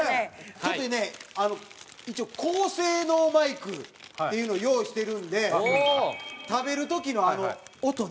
ちょっとね一応高性能マイクっていうの用意してるんで食べる時のあの音ね。